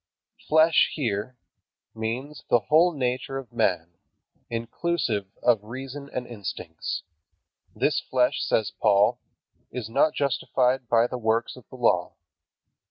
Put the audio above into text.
"Flesh" here means the whole nature of man, inclusive of reason and instincts. "This flesh," says Paul, "is not justified by the works of the law."